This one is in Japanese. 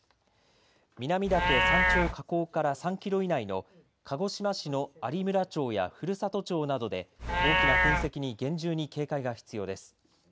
南岳山頂火口から３キロ以内の鹿児島市の有村町や古里町などで大きな噴石に厳重に警戒が必要です。